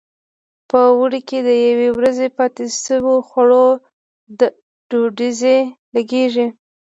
په اوړي کې د یوې ورځې پاتې شو خوړو ډډوزې لګېږي.